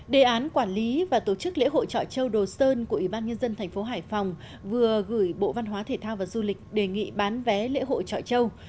đề án quản lý và tổ chức lễ hội trọi châu đồ sơn của ủy ban nhân dân tp hải phòng vừa gửi bộ văn hóa thể thao và du lịch đề nghị bán vé lễ hội trọi châu